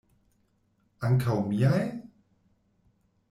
Ankaŭ miaj?